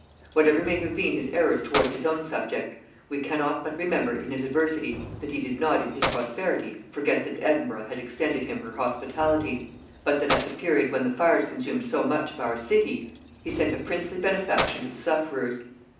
Whatever may have been his errors towards his own subjects, we cannot but remember in his adversity that he did not in his prosperity forget that Edinburgh had extended him her hospitality, but that at the period when the fires consumed so much of our city, he sent a princely benefaction to the sufferers....